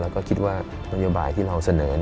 ก็คิดว่านโยบายที่เราเสนอ